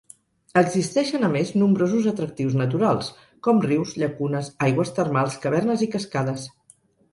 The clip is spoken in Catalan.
Existeixen a més nombrosos atractius naturals, com rius, llacunes, aigües termals, cavernes i cascades.